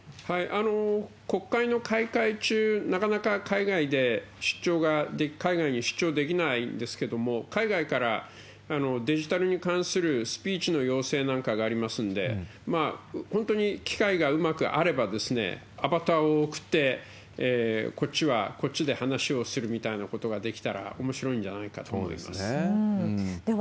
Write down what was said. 国会の開会中、なかなか海外で出張が、海外に出張できないんですけれども、海外からデジタルに関するスピーチの要請なんかがありますんで、本当に機会がうまくあれば、アバターを送って、こっちはこっちで話をするみたいなことができたらおもしろいんじそうですね。